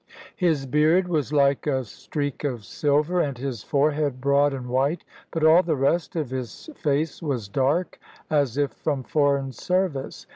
His beard was like a streak of silver, and his forehead broad and white; but all the rest of his face was dark, as if from foreign service.